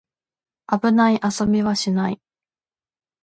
危ない遊びはしない